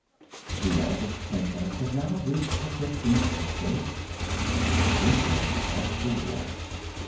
The eldest princess had now reached her fifteenth birthday, and was to venture above the water.